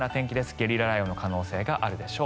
ゲリラ雷雨の可能性があるでしょう。